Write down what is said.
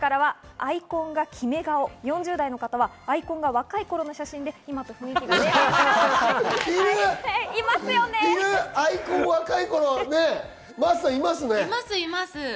アイコンがキメ顔、４０代の方はアイコンが若い頃の写真で今と雰囲気が違ういます。